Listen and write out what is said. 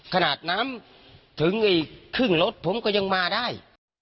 ขนาดน้ำถึงอีกครึ่งรถผมก็ยังมาได้